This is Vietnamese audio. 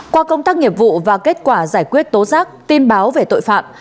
qua công tác nghiệp vụ và kết quả giải quyết tố giác tin báo về tội phạm